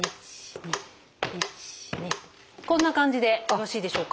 こんな感じでよろしいでしょうか。